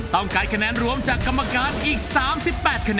ต้องการคะแนนรวมจากกรรมการอีก๓๘แน